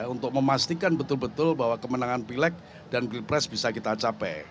untuk memastikan betul betul bahwa kemenangan pilek dan pilpres bisa kita capai